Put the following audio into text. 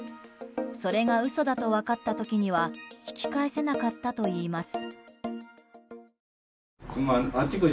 それが嘘と分かった時には引き返せなかったといいます。